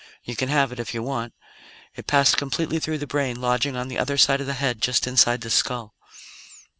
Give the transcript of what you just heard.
" you can have it, if you want. It passed completely through the brain, lodging on the other side of the head, just inside the skull.